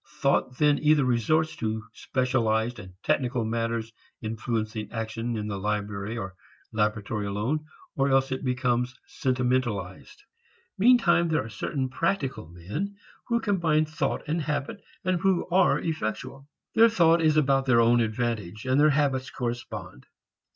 Thought then either resorts to specialized and technical matters influencing action in the library or laboratory alone, or else it becomes sentimentalized. Meantime there are certain "practical" men who combine thought and habit and who are effectual. Their thought is about their own advantage; and their habits correspond.